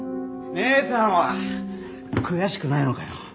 姉さんは悔しくないのかよ？